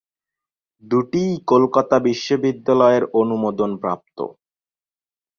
দুটিই কলকাতা বিশ্ববিদ্যালয়ের অনুমোদন প্রাপ্ত।